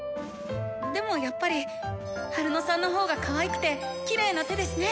でもやっぱりハルノさんの方がかわいくてきれいな手ですね。